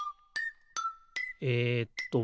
えっと